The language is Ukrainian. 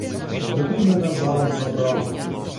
Веди мене зараз за браму!